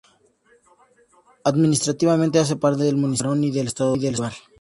Administrativamente hace parte del Municipio Caroní, del Estado Bolívar.